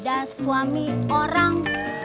dia suami orang